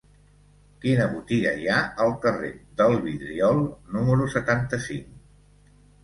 Quina botiga hi ha al carrer del Vidriol número setanta-cinc?